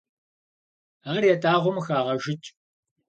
Ар ятӀагъуэм къыхагъэжыкӀ.